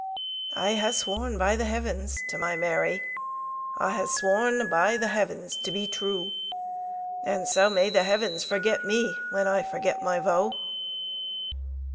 I hae sworn by the Heavens to my Mary,I hae sworn by the Heavens to be true; And sae may the Heavens forget me, When I forget my vow!